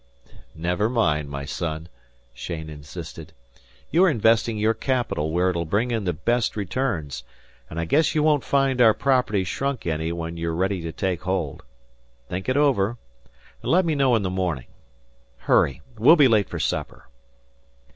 "Never mind, my son," Cheyne insisted. "You're investing your capital where it'll bring in the best returns; and I guess you won't find our property shrunk any when you're ready to take hold. Think it over, and let me know in the morning. Hurry! We'll be late for supper!"